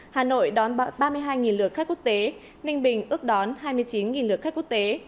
hà nội đón ba mươi hai lượt khách quốc tế ninh bình ước đón hai mươi chín lượt khách quốc tế